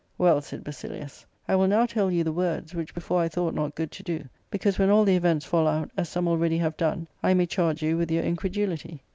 "Well," said Basilius, " I will now tell you the words, which before I thought not good to do, becaufse when all the events fall out, as some already have done, I may charge you with your incredulity."